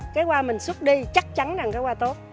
cái hoa mình xuất đi chắc chắn là cái hoa tốt